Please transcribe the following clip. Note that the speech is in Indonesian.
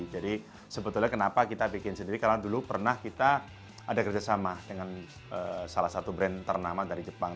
jadi sebetulnya kenapa kita bikin sendiri karena dulu pernah kita ada kerjasama dengan salah satu brand ternama dari jepang